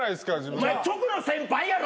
お前直の先輩やろ。